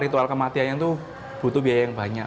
ritual kematiannya itu butuh biaya yang banyak